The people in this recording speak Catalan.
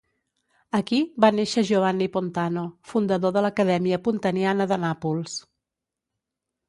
Aquí va néixer Giovanni Pontano, fundador de l'Acadèmia Pontaniana de Nàpols.